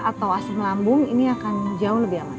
atau asam lambung ini akan jauh lebih aman